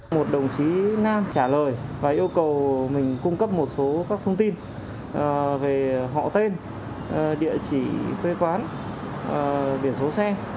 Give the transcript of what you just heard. một đồng chí nam trả lời và yêu cầu mình cung cấp một số các thông tin về họ tên địa chỉ quê quán biển số xe